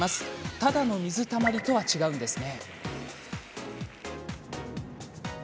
ただの水たまりとは違うんですね。